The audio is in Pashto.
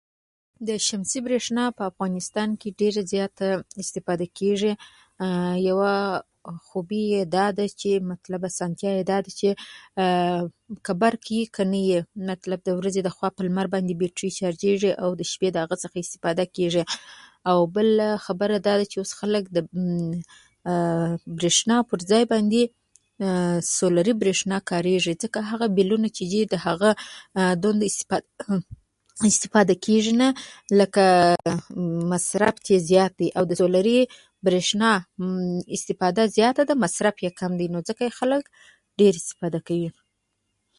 د شمسي برېښنا په افغانستان کې ډېره زیاته استفاده کېږي. یوه خوبي یې دا ده چې مطلب، اسانتیا یې دا ده چې که برق لاړ وي، که نه وي، د ورځې لخوا په لمر باندې بیټري چارجېږي او شپې د هغه څخه استفاده کېږي. او بله خبره دا ده چې اوس خلک د برېښنا پر ځای باندې سولري برېښنا کارېږي، ځکه هغه بیلونه چې وي، هغه دومره استفاده کېږي نه، لکه د مصرف چې زیات دی. د سولري برېښنا استفاده زیاته ده، مصرف یې کم دی، نو ځکه خلک ډېره استفاده کوي.